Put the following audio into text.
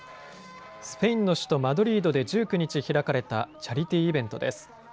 スペインの首都マドリードで１９日開かれたチャリティーイベントです。